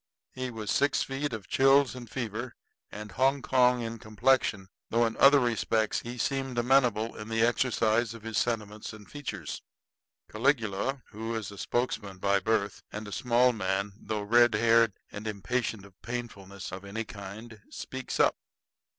He was six feet of chills and fever, and Hongkong in complexion though in other respects he seemed amenable in the exercise of his sentiments and features. Caligula, who is a spokesman by birth, and a small man, though red haired and impatient of painfulness of any kind, speaks up.